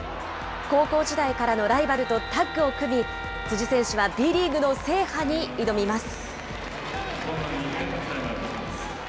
高校時代からのライバルとタッグを組み、辻選手はＢリーグの制覇に挑みます。